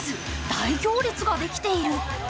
大行列ができている。